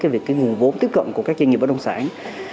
về nguồn vốn tiếp cận của các doanh nghiệp bất động sản